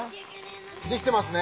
できてますね？